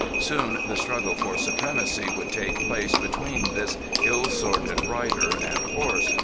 Soon the struggle for supremacy would take place between this ill assorted rider and horse.